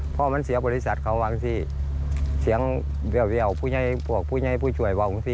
เพราะมันเสียบริษัทเขาวางสิเสียงเวียบพวกผู้ช่วยวางสิ